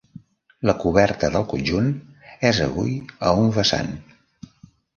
La coberta del conjunt és avui a un vessant.